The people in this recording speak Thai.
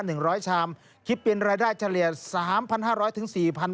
หนึ่งร้อยชามคิดเป็นรายได้เฉลี่ยสามพันห้าร้อยถึงสี่พัน